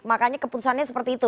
makanya keputusannya seperti itu